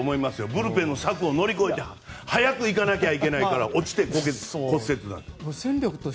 ブルペンの柵を乗り越えて早く行かなきゃいけないから落ちて骨折だと。